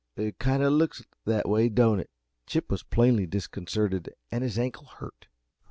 "It kind of looks that way, don't it?" Chip was plainly disconcerted, and his ankle hurt.